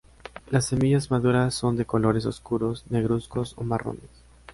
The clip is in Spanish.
Las semillas maduras son de colores oscuros, negruzcos o marrones.